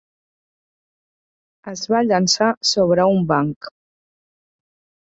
Es va llançar sobre un banc.